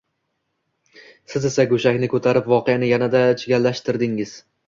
Siz esa go`shakni ko`tarib, voqeani yanada chigallashtirdingiz